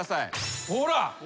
ほら。